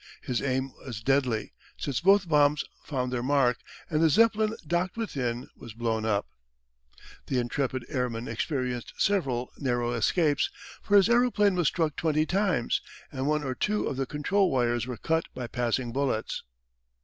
His aim was deadly, since both bombs found their mark, and the Zeppelin docked within was blown up. The intrepid airman experienced several narrow escapes, for his aeroplane was struck twenty times, and one or two of the control wires were cut by passing bullets.